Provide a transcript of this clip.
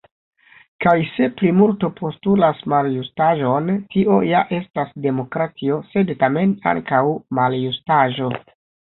Kaj se plimulto postulas maljustaĵon, tio ja estas demokratio, sed, tamen, ankaŭ maljustaĵo.